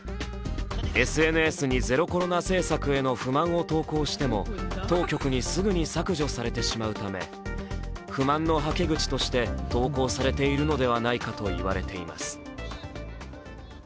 ＳＮＳにゼロコロナ政策への不満を投稿しても、当局にすぐに削除されてしまうため、不満のはけ口として投稿されているのではないかといわれています。